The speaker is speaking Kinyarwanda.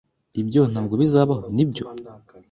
Ibyo ntabwo bizabaho, nibyo?